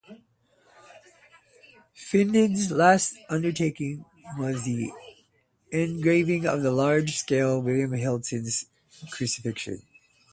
Finden's last undertaking was an engraving on a large scale of William Hilton's "Crucifixion".